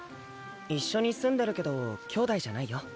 一緒に住んでるけど兄妹じゃないよ。